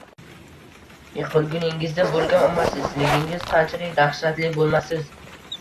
Yiqilguningizda bo’lgan omadsizligingiz qanchalik daxshatli bo’lmasiz